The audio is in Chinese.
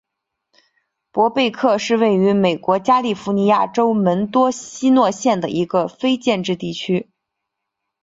伯贝克是位于美国加利福尼亚州门多西诺县的一个非建制地区。